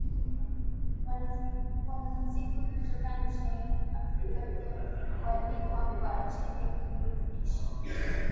Wanamuziki kutoka nje ya africa pia hualikwa kwa ajili ya kuburudisha